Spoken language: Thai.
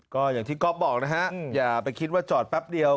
ก็อย่างที่ก๊อฟบอกนะฮะอย่าไปคิดว่าจอดแป๊บเดียว